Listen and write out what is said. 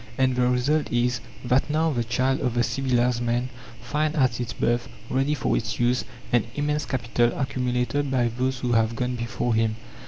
And the result is, that now the child of the civilized man finds at its birth, ready for its use, an immense capital accumulated by those who have gone before him.